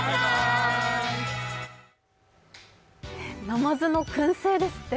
ナマズのくん製ですって。